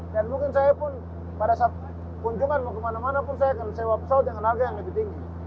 dan mungkin saya pun pada saat kunjungan mau kemana mana pun saya akan sewa pesawat dengan harga yang lebih tinggi